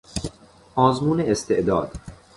آزمون استعداد